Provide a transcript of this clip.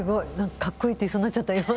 かっこいいって言いそうになっちゃった今。